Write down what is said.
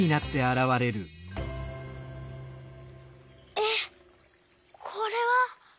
えっこれは。